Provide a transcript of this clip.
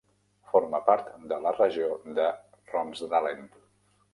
Forma part de la regió de Romsdalen.